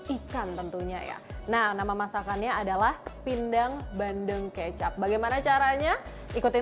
ikan tentunya ya nah nama masakannya adalah pindang bandeng kecap bagaimana caranya ikutin